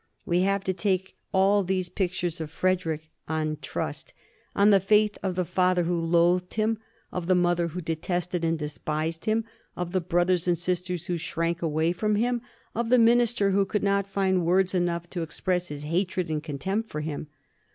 We have to take all these pictures of Frederick on 72 A UISTOBr OF THE FOUB GE0R6E& GB.xxr. tmst — on the faith of the father who loathed him, of the mother who detested and despised him, of the brothers and sisters who shrank away from him^of the minister who could not find words enough to express his hatred and contempt for him.